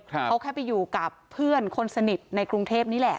เขาแค่ไปอยู่กับเพื่อนคนสนิทในกรุงเทพนี่แหละ